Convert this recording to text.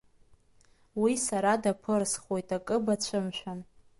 Уи сара даԥырысхуеит, акы бацәымшәан!